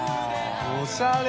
おしゃれ。